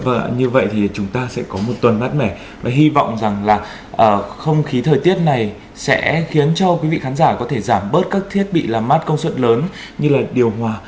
vâng như vậy thì chúng ta sẽ có một tuần mát mẻ và hy vọng rằng là không khí thời tiết này sẽ khiến cho quý vị khán giả có thể giảm bớt các thiết bị làm mát công suất lớn như là điều hòa